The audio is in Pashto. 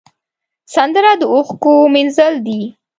سندره د اوښکو مینځل دي